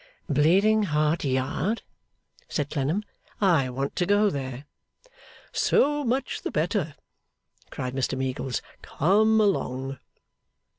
'Bleeding Heart Yard?' said Clennam. 'I want to go there.' 'So much the better,' cried Mr Meagles. 'Come along!